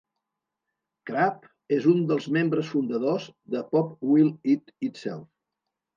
Crabb és un dels membres fundadors de Pop Will Eat Itself.